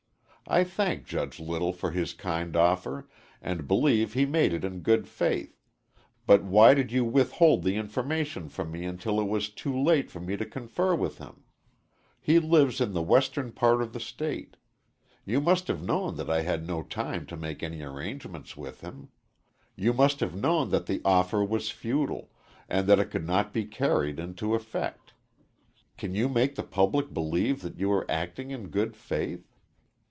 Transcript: I thank Judge Little for his kind offer, and believe he made it in good faith, but why did you withhold the information from me until it was too late for me to confer with him. He lives in the western part of the State. You must have known that I had no time to make any arrangements with him. You must have known that the offer was futile, and that it could not be carried into effect. Can you make the public believe that you were acting in good faith?